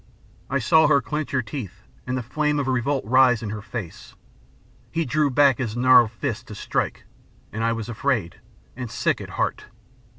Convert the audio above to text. "I saw her clench her teeth, and the flame of revolt rise in her face. He drew back his gnarled fist to strike, and I was afraid, and sick at heart.